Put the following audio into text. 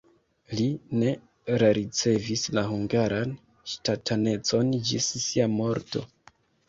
Li ne rericevis la hungaran ŝtatanecon ĝis sia morto.